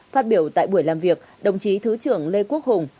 phát biểu tại buổi làm việc đồng chí thứ trưởng lê quốc hùng